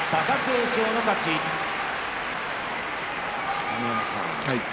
鏡山さん